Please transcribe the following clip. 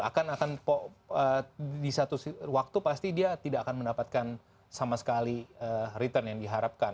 akan akan di satu waktu pasti dia tidak akan mendapatkan sama sekali return yang diharapkan